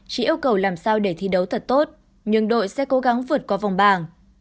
chỉ yêu cầu làm sao để thi đấu thật tốt nhưng đội sẽ cố gắng vượt qua vòng bảng